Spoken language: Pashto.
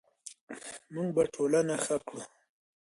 موږ به ټولنه ښه کړو.